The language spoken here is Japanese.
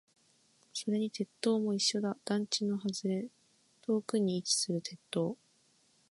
それに鉄塔も一緒だ。団地の外れ、遠くに位置する鉄塔。